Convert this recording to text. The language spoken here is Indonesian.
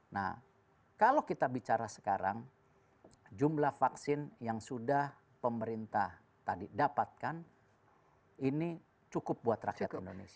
nah kalau kita bicara sekarang jumlah vaksin yang sudah pemerintah tadi dapatkan ini cukup buat rakyat indonesia